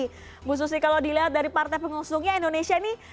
ibu susi kalau dilihat dari partai pengusungnya indonesia ini